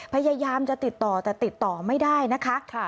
พยายามจะติดต่อแต่ติดต่อไม่ได้นะคะ